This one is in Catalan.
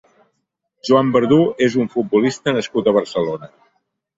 Joan Verdú és un futbolista nascut a Barcelona.